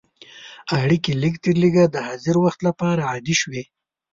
اړیکې لږترلږه د حاضر وخت لپاره عادي شوې.